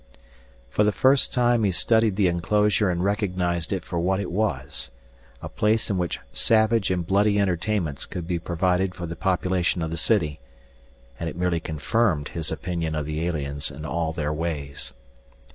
For the first time he studied the enclosure and recognized it for what it was a place in which savage and bloody entertainments could be provided for the population of the city and it merely confirmed his opinion of the aliens and all their ways.